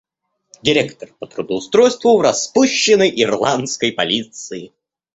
Директор по трудоустройству в распущенной Ирландской полиции.